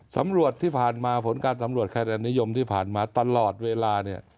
สำรวจที่ผ่านมาผลการสำรวจคะแนนนิยมที่ผ่านมาตลอดเวลาเนี่ย